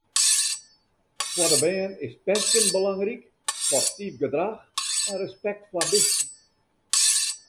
Foar de bern is pesten belangryk, sportyf gedrach en respekt foar bisten.